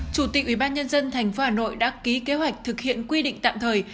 chủ tịch ubnd tp hà nội đã ký kế hoạch thực hiện quy định tạm thời